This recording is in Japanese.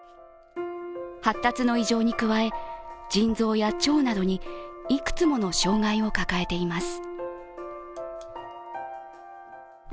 発達の異常に加え、腎臓や腸などにいくつもの障害を抱えています。